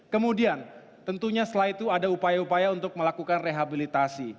kemudian tentunya setelah itu ada upaya upaya untuk melakukan rehabilitasi